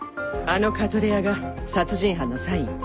あのカトレアが殺人犯のサイン。